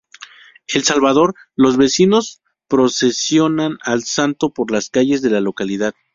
En El Salvador los vecinos procesionan al Santo por las calles de la localidad.